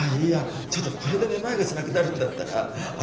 ちょっとこれでめまいがしなくなるんだったら私